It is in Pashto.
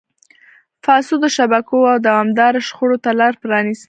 فاسدو شبکو او دوامداره شخړو ته لار پرانیسته.